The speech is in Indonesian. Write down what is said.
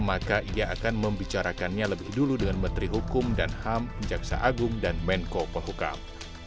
maka ia akan membicarakannya lebih dulu dengan menteri hukum dan ham jaksa agung dan menko pohukam